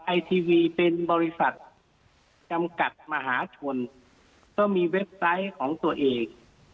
ไอทีวีเป็นบริษัทจำกัดมหาชนก็มีเว็บไซต์ของตัวเอง